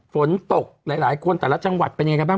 ฝนตกหลายคนแต่ละจังหวัดเป็นยังไงกันบ้าง